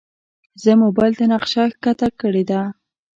زه موبایل ته نقشه ښکته کړې ده.